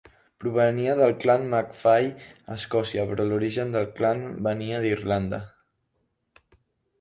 Provenia del clan Macfie a Escòcia, però l'origen del clan venia d'Irlanda.